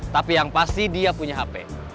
tapi yang pasti dia punya hp